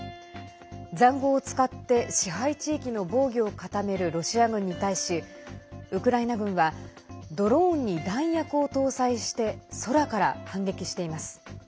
ざんごうを使って支配地域の防御を固めるロシア軍に対しウクライナ軍はドローンに弾薬を搭載して空から反撃しています。